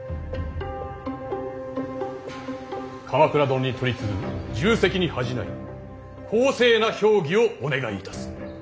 鎌倉殿に取り次ぐ重責に恥じない公正な評議をお願いいたす。